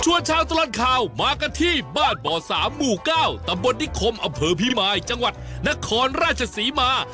ชวนเช้าตลาดข่าวมากันที่บ้านบ่อสามหมู่เก้าตำบลนิคคมอเภอพิมายจังหวัดนครราชศรีมา